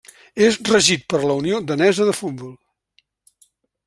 És regit per la Unió Danesa de Futbol.